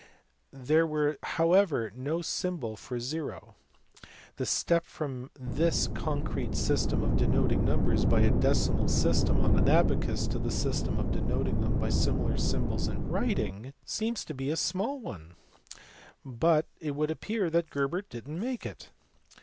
190), there was however no symbol for zero ; the step from this concrete system of denoting numbers by a decimal system on an abacus to the system of denoting them by similar symbols in writing seems to us to be a small one, but it would appear that Gerbert did not make it.